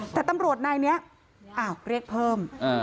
แต่ตำรวจนายนี้เรียกเพิ่ม